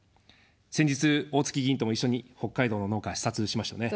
先日、おおつき議員とも一緒に北海道の農家、視察しましたね。